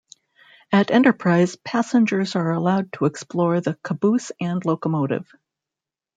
At Enterprise passengers are allowed to explore the caboose and locomotive.